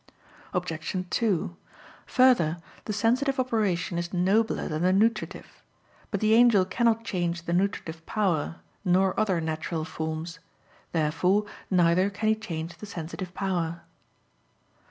Obj. 2: Further, the sensitive operation is nobler than the nutritive. But the angel cannot change the nutritive power, nor other natural forms. Therefore neither can he change the sensitive power.